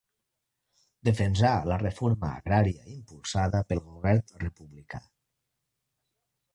Defensà la reforma agrària impulsada pel Govern republicà.